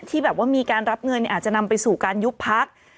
ที่แบบว่ามีการรับเงินอาจจะนำไปสู่การยุบพัก